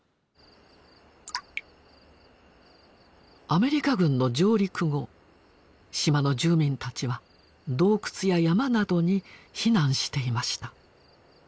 アメリカ軍の上陸後島の住民たちは洞窟や山などに避難していました。